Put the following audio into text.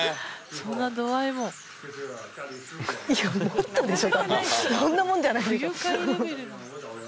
そんなもんじゃないでしょ。